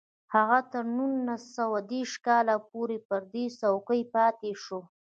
هغه تر نولس سوه دېرش کال پورې پر دې څوکۍ پاتې شو